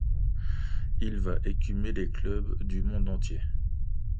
Il va écumer les clubs du monde entier.